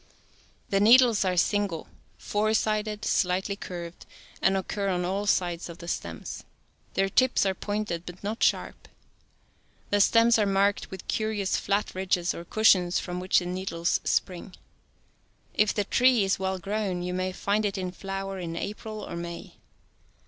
The needles are single, four sided, slightly curved, and occur on all sides of the stems. Their tips are point ed but not sharp (Fig. 3). The stems are marked with curious flat ridges or cushions from which the need les spring. If the tree is well grown, you may find it in flower in April or May.